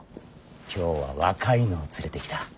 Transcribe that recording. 今日は若いのを連れてきた。